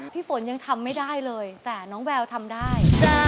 พี่ฝนยังทำไม่ได้เลยแต่น้องแววทำได้